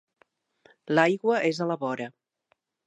L'aigua és a la vora.